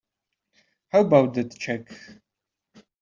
How about that check?